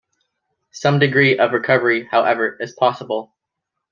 Some degree of recovery, however, is possible.